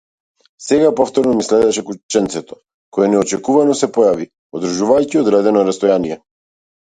Сега повторно ме следеше кученцето, кое неочекувано се појави, одржувајќи одредено растојание.